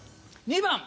２番！